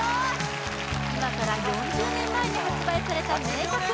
今から４０年前に発売された名曲